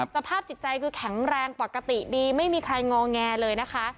สภาพจิตใจคือแข็งแรงปกติดีไม่มีใครงอแงเลยนะคะ